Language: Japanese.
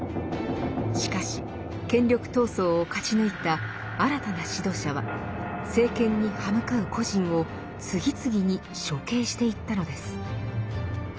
しかし権力闘争を勝ち抜いた新たな指導者は政権に刃向かう個人を次々に処刑していったのです。